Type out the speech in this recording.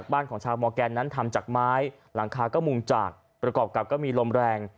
บ้านของชาวมอร์แกนนั้นทำจากไม้หลังคาก็มุงจากประกอบกับก็มีลมแรง